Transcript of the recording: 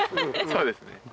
そうですね。